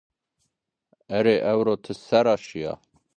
Erê ewro tı sera şiya?